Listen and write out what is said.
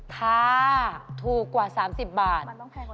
ถ้าถูกกว่า๓๐บาท